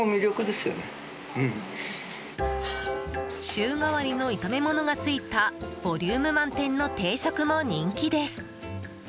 週替わりの炒め物がついたボリューム満点の定食も人気です。